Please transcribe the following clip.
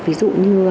ví dụ như